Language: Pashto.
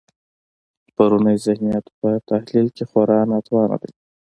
پرونی ذهنیت په تحلیل کې خورا ناتوانه دی.